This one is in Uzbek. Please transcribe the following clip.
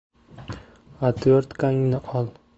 — Otvertkangni ol!